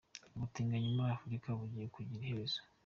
Ubutinganyi muri Afurika bugiye kugira iherezo.